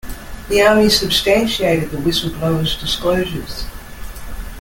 The Army substantiated the whistleblower's disclosures.